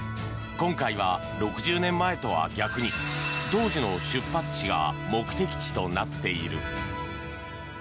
今回は６０年前とは逆に当時の出発地が目的地となっている。